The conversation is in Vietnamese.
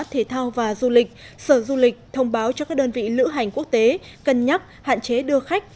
thể thao và du lịch sở du lịch thông báo cho các đơn vị lữ hành quốc tế cân nhắc hạn chế đưa khách